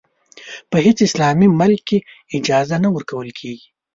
په هېڅ اسلامي ملک کې اجازه نه ورکول کېږي.